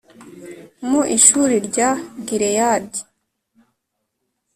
mu Ishuri rya Gileyadi